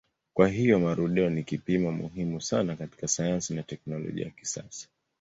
Kwa hiyo marudio ni kipimo muhimu sana katika sayansi na teknolojia ya kisasa.